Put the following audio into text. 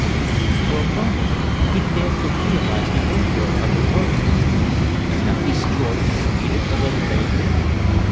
For a moment he failed to realize the import of her words. "Not destroyed?" he repeated, a little vaguely.